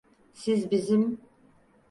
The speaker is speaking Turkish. Siz bizim…